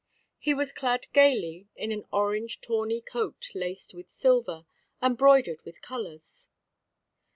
He was clad gaily in an orange tawny coat laced with silver, and broidered with colours.